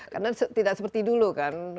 karena tidak seperti dulu kan